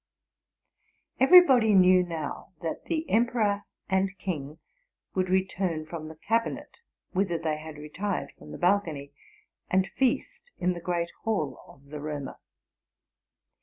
Everybody knew now that the emperor and king would return from the cabinet, whither they had retired from the baleony, and feast in the great hall of the Romer.